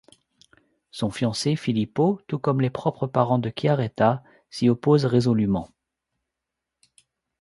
Son fiancé Filippo, tout comme les propres parents de Chiaretta, s'y opposent résolument.